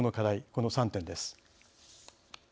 この３点です。